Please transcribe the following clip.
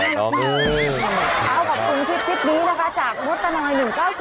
เช้ากับคุณทิศดีจากมศตานอย๑๙๐๔